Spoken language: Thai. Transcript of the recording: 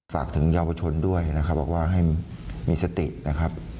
ฝากถึงเยาวชนด้วยนะครับบอกว่าให้มีสตินะครับ